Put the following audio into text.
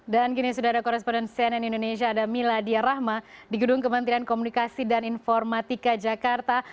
dan kini sudah ada koresponden cnn indonesia ada miladia rahma di gedung kementerian komunikasi dan informatika jakarta